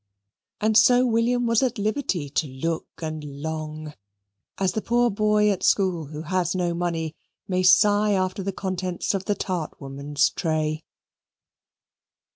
And so William was at liberty to look and long as the poor boy at school who has no money may sigh after the contents of the tart woman's tray.